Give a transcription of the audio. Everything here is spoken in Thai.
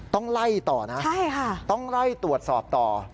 ต้องไล่ต่อนะต้องไล่ตรวจสอบต่อ